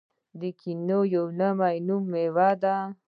کیوي یوه نوې میوه ده.